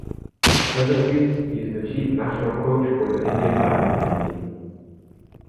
Presently, he is the Chief National Coach for the Indian Badminton team.